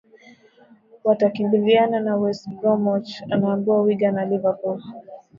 watakambiliana na westbromich naambiwa wigan na liverpool